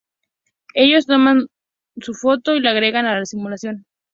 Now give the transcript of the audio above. Ellos toman su foto y la agregan a la simulación.